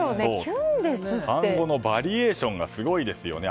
単語のバリエーションがすごいですよね。